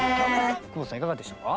久保田さんいかがでしたか？